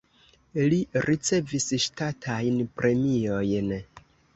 Li ricevis ŝtatajn premiojn.